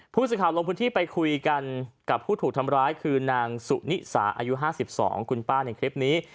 ผู้สื่อข่าวลงพื้นที่ไปคุยกันกับผู้ถูกทำร้ายคือนางสุนิสาอายุ๕๒คุณป้าในคลิปนี้